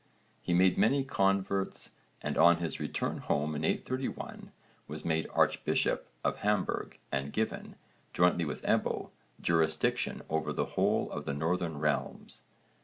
He made many converts and on his return home in 831 was made archbishop of Hamburg and given, jointly with Ebbo, jurisdiction over the whole of the northern realms.